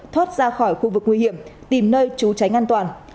thoát ra khỏi khu vực nguy hiểm tìm nơi trú tránh an toàn